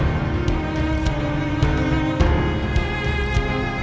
berarti adi ngebatalkan janjarin sama aku